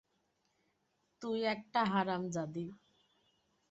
তুই একটা হারামজাদি!